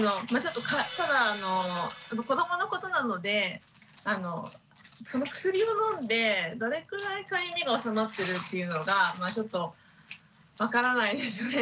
子どものことなのでその薬を飲んでどれくらいかゆみが治まってるっていうのがちょっと分からないですよね。